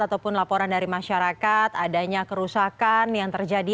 ataupun laporan dari masyarakat adanya kerusakan yang terjadi